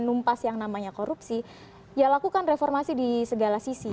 numpas yang namanya korupsi ya lakukan reformasi di segala sisi